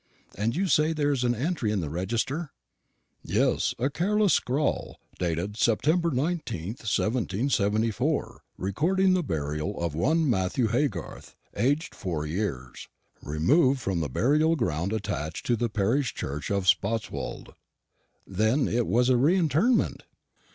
"And you say there is an entry in the register?" "Yes, a careless scrawl, dated Sept. 19th, 1774, recording the burial of one Matthew Haygarth, aged four years, removed from the burial ground attached to the parish church of Spotswold." "Then it was a reinterment?"